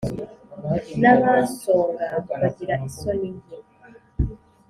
n’abansonga bagira isoni nke